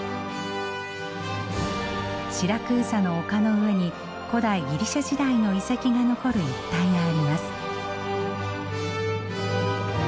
シラクーサの丘の上に古代ギリシャ時代の遺跡が残る一帯があります。